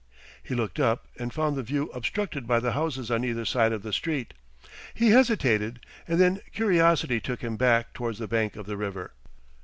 He looked up and found the view obstructed by the houses on either side of the street. He hesitated, and then curiosity took him back towards the bank of the river.